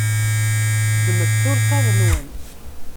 Ddmet tursaḍ-nwen.